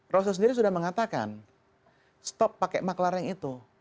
rossa sendiri sudah mengatakan stop pakai maklarnya yang itu